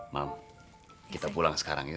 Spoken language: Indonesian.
mam kita pulang sekarang ini